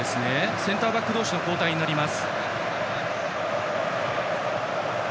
センターバック同士の交代です。